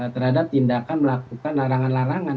terhadap tindakan melakukan larangan larangan